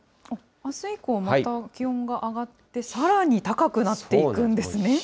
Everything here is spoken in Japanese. あす以降はまた気温が上がって、さらに高くなっていくんですね。